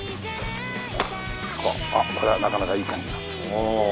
これはなかなかいい感じだ。